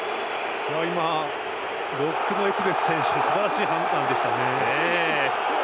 今、ロックのエツベス選手がすばらしい判断でしたね。